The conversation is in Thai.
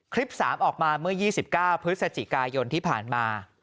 คลิป๓ออกมาเมื่อ๒๙พฤศจิกายนที่ผ่านมา